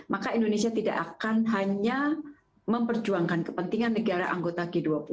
maka indonesia tidak akan hanya memperjuangkan kepentingan negara anggota g dua puluh